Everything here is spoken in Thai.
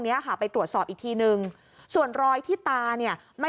เนี้ยค่ะไปตรวจสอบอีกทีนึงส่วนรอยที่ตาเนี่ยไม่